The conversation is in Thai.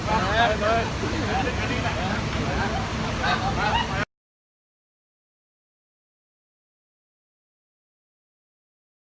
โปรดติดตามตอนต่อไป